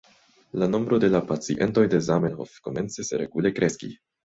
La nombro de la pacientoj de Zamenhof komencis regule kreski.